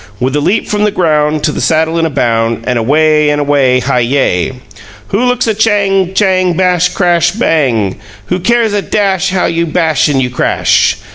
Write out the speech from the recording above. With a leap from the ground To the saddle in a bound, And away and away! Hi YAY! WHO looks a chang, chang, bash, crash, bang! WHO cares a dash how you bash and you crash?